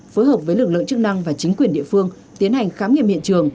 phối hợp với lực lượng chức năng và chính quyền địa phương tiến hành khám nghiệm hiện trường